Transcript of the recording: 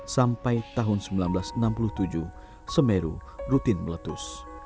sampai tahun seribu sembilan ratus enam puluh tujuh semeru rutin meletus